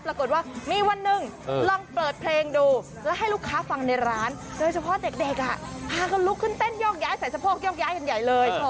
ปรากฏว่ามีวันหนึ่งลองเปิดเพลงดูแล้วให้ลูกค้าฟังในร้านโดยเฉพาะเด็กพากันลุกขึ้นเต้นโยกย้ายใส่สะโพกโยกย้ายกันใหญ่เลย